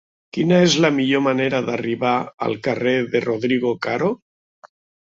Quina és la millor manera d'arribar al carrer de Rodrigo Caro?